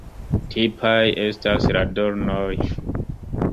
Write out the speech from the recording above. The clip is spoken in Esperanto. Tipaj estas la dornoj.